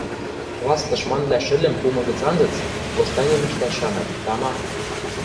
Класс тышманвлӓ шӹльӹм пумы гӹц анзыц восстаним ӹштӓш шанат, тама...